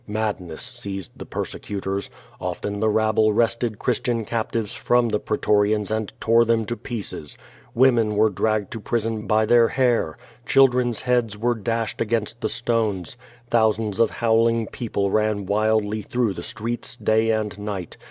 Madness seized the perse cutors. Often the rabble wrested Christian captives from the pretorians and tore them to pieces. Women were dragged to prison by their hair. Children's heads were dashed against the stones. Thousands of howling people ran wildly through the streets, day and night.